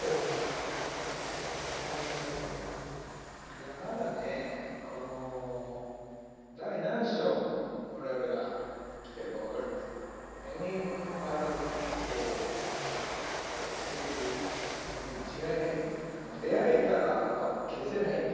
いやまだねこの第何章我々が来てるか分かりませんが永遠に変わらずこう続いていくに違いないんで出会いからは消せないんでね